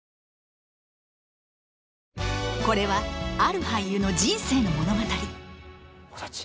これはある俳優の人生の物語おサチ。